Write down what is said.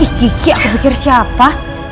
ih kiki aku pikir siapa